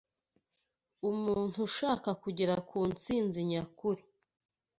Umuntu ushaka kugera ku ntsinzi nyakuri